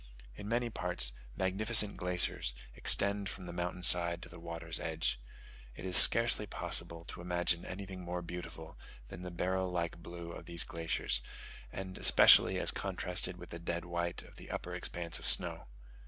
In many parts, magnificent glaciers extend from the mountain side to the water's edge. It is scarcely possible to imagine anything more beautiful than the beryl like blue of these glaciers, and especially as contrasted with the dead white of the upper expanse of snow.